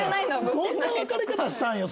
どんな別れ方したんよ